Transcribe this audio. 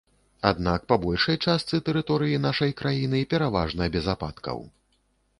Аднак па большай частцы тэрыторыі нашай краіны пераважна без ападкаў.